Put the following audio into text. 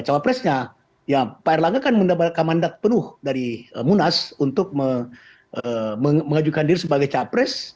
cawapresnya ya pak erlangga kan mendapatkan mandat penuh dari munas untuk mengajukan diri sebagai capres